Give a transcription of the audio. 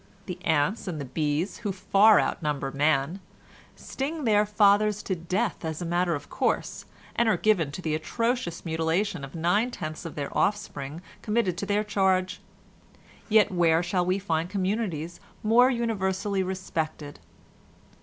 The ants and the bees, who far outnumber man, sting their fathers to death as a matter of course, and are given to the atrocious mutilation of nine tenths of the offspring committed to their charge, yet where shall we find communities more universally respected?